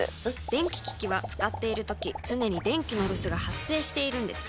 電気機器は使っているとき常に電気のロスが発生しているのです。